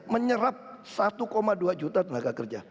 menyerap satu dua juta tenaga kerja